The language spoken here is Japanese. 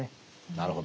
なるほど。